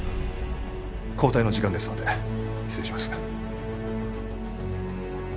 交代の時間ですので失礼します。